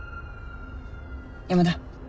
山田。